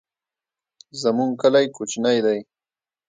زمونږ کلی کوچنی دی